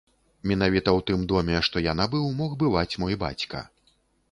Менавіта ў тым доме, што я набыў, мог бываць мой бацька.